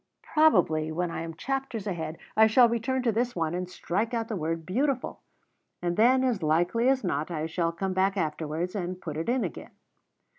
Probably when I am chapters ahead I shall return to this one and strike out the word "beautiful," and then, as likely as not, I shall come back afterwards and put it in again.